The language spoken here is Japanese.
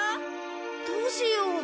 どうしよう。